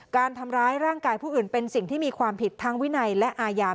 การทำร้ายร่างกายผู้อื่นเป็นสิ่งที่มีความผิดทั้งวินัยและอาญา